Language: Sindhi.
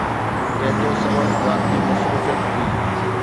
جنهن جو سبب ذاتي مصروفيت هئي.